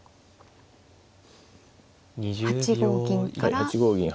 ８五銀から。